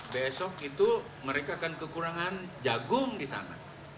bisa menggunakan kekurangan jagung di sana